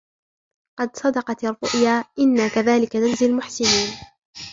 قد صدقت الرؤيا إنا كذلك نجزي المحسنين